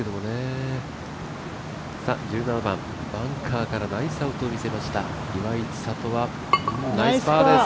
１７番、バンカーからナイスアウトを見せました岩井千怜はナイスパーです。